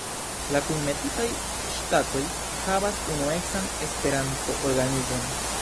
La kunmetitaj ŝtatoj havas unuecan Esperanto-organizon.